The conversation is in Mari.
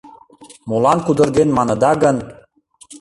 Молан кудырген маныда гын